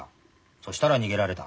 そしたら逃げられた。